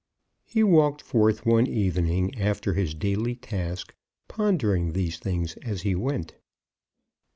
He walked forth one evening, after his daily task, pondering these things as he went.